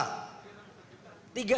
tiga sampai empat juta